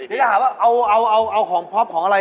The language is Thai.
ถึงอ่ะอ้าวของพร้อมของอะไร